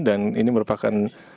dan ini merupakan